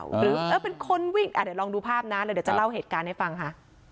หรือเป็นคนวิ่งเดี๋ยวลองดูภาพนะแล้วเดี๋ยวจะเล่าเหตุการณ์ให้ฟังค่ะ